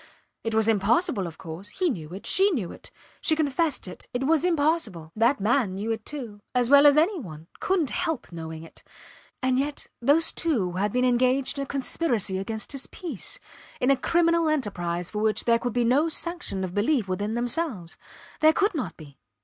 It was impossible, of course! He knew it. She knew it. She confessed it. It was impossible! That man knew it, too as well as any one; couldnt help knowing it. And yet those two had been engaged in a conspiracy against his peace in a criminal enterprise for which there could be no sanction of belief within themselves. There could not be!